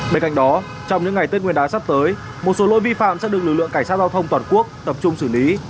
bên cạnh đó trong những ngày tết nguyên đán sắp tới một số lỗi vi phạm sẽ được lực lượng cảnh sát giao thông toàn quốc tập trung xử lý